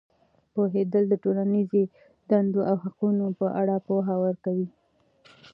پوهېدل د ټولنیزې دندو او حقونو په اړه پوهه ورکوي.